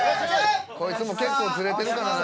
こいつも結構ズレてるからな。